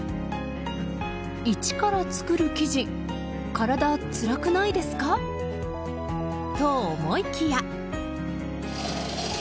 一から作る生地体、つらくないですか？と思いきや。